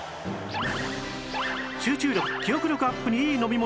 集中力・記憶力アップにいい飲み物